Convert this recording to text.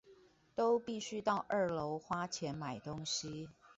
都必須到二樓花錢買東西